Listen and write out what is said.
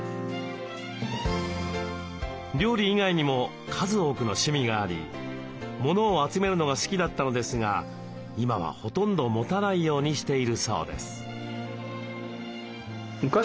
料理以外にも数多くの趣味がありモノを集めるのが好きだったのですが今はほとんど持たないようにしているそうです。